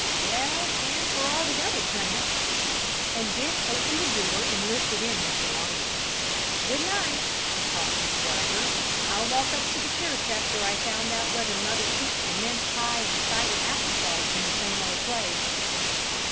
"Yes, and for all the other tramps," and Dick opened the door and lifted in his belongings. "Good night," he called to the driver; "I'll walk up to the church after I've found out whether mother keeps the mince pie and cider apple sauce in the same old place."